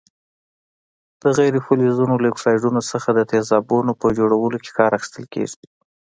د غیر فلزونو له اکسایډونو څخه د تیزابونو په جوړولو کې کار اخیستل کیږي.